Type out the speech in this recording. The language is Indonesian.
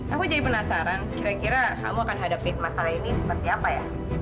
aku jadi penasaran kira kira kamu akan hadapi masalah ini seperti apa ya